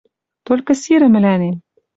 Толькы сирӹ мӹлӓнем.